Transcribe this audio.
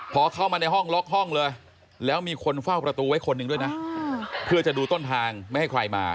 พอเข้ามาในห้องล็อกห้องเลยแล้วมีคนเฝ้าประตูไว้คนหนึ่งด้วยนะเพื่อจะดูต้นทางไม่ให้ใครมา